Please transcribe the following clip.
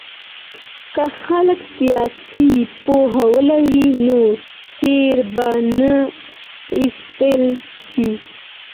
که خلګ سياسي پوهه ولري نو تېر به نه ايستل سي.